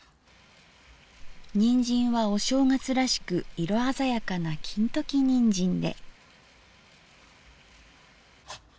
にんじんはお正月らしく色鮮やかな金時にんじんで。